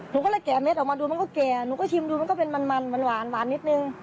หนูก็เลยแกะเม็ดออกมาดูมันก็แก่หนูก็ชิมดูมันก็เป็นมันมันหวานนิดนึง